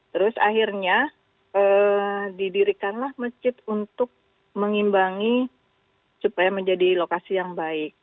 terus akhirnya didirikanlah masjid untuk mengimbangi supaya menjadi lokasi yang baik